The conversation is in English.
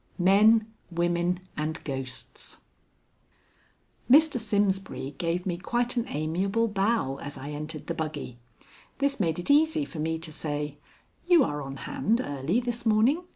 XI MEN, WOMEN, AND GHOSTS Mr. Simsbury gave me quite an amiable bow as I entered the buggy. This made it easy for me to say: "You are on hand early this morning.